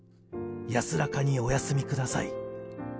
安らかにお休みください。